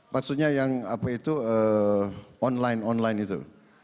maksudnya yang apa itu online online itu